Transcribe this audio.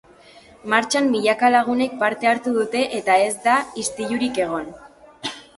Martxan milaka lagunek parte hartu dute eta ez da istilurik egon.